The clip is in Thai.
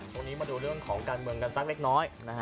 ช่วงนี้มาดูเรื่องของการเมืองกันสักเล็กน้อย